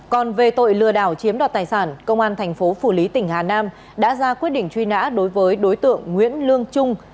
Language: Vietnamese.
còn về tội lừa đảo chiếm đoạt tài sản công an thành phố phủ lý tỉnh hà nam đã ra quyết định truy nã đối với đối tượng nguyễn lương trung